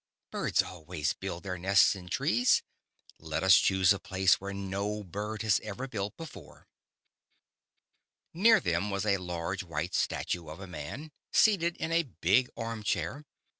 Birds always build their nests in trees. Let us choose a place where no bird has ever built before. Near them was a laree white Statue of a man. 176 The Statue and the Birds. seated in a big arm chair.